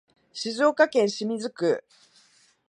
静岡市清水区